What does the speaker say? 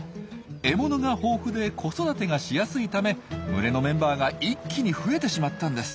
獲物が豊富で子育てがしやすいため群れのメンバーが一気に増えてしまったんです。